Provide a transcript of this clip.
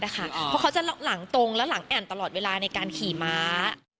ได้พลังคราวค่ะเขาลงตรงระหลั่งแต่นตลอดเวลาในการขี่ม้า